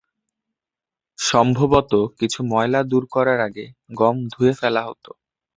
সম্ভবত কিছু ময়লা দূর করার আগে গম ধুয়ে ফেলা হতো।